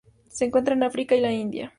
Se encuentra en África y la India.